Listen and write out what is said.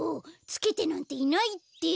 つけてなんていないって！